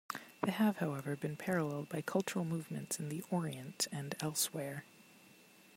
They have, however, been paralleled by cultural movements in the Orient and elsewhere.